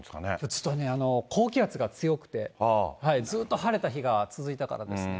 ちょっとね、高気圧が強くて、ずっと晴れた日が続いたからですね。